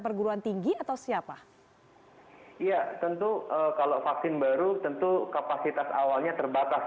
perguruan tinggi atau siapa ya tentu kalau vaksin baru tentu kapasitas awalnya terbatas